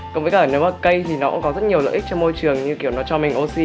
cùng với cả nếu mà cây thì nó cũng có rất nhiều lợi ích cho môi trường như kiểu nó cho mình oxy